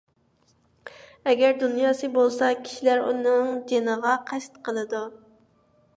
ئەگەر دۇنياسى بولسا، كىشىلەر ئۇنىڭ جېنىغا قەست قىلىدۇ.